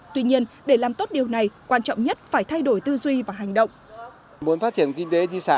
tuy nhiên để làm tốt điều này quan trọng nhất phải thay đổi tư duy và hành động